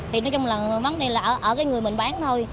thì nói chung là vấn đề là ở cái người mình bán thôi